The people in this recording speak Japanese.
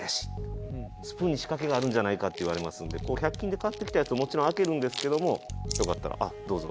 「スプーンに仕掛けがあるんじゃないか？」って言われますんで１００均で買ってきたやつをもちろん開けるんですけどもよかったらどうぞ。